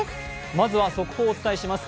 まずは速報をお伝えします。